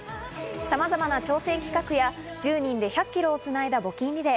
さまざまな挑戦企画や１０人で１００ｋｍをつないだ募金リレー。